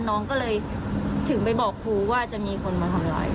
น้องก็เลยถึงไปบอกครูว่าจะมีคนมาทำร้าย